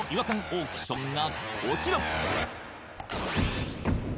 オークションがこちら！